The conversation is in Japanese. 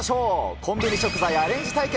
コンビニ食材アレンジ対決。